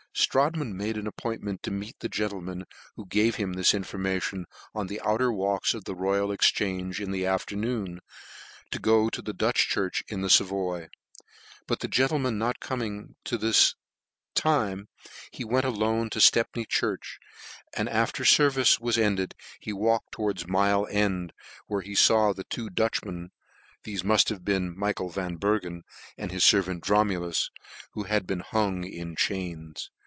Strodtman made an appointment to meet the gentleman who gave him this information, on the outer walks of the Royal Exchange, in the afternoon, to go to the Dutch church in the Sa voy : but the gentleman not coming to his time, he went alone to Stepney church, and after fcr vice was ended, he walked towards Mile End, where he faw the two Dutchmen* who had been, hung in chains.